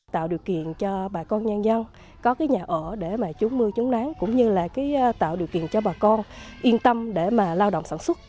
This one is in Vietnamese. tạo điều kiện cho bà con nhân dân có cái nhà ở để mà chú mưa chú nán cũng như là tạo điều kiện cho bà con yên tâm để mà lao động sản xuất